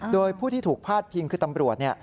โดยผู้ที่ถูกพาดพิงคือตำรวจ